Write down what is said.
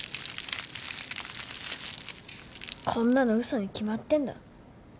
こんなの嘘に決まってんだろ。